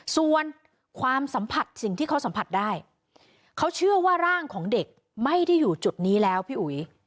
ส่วนความสัมผัสสิ่งที่เขาสัมผัสได้เขาเชื่อว่าร่างของเด็กไม่ได้อยู่จุดนี้แล้วพี่อุ๋ย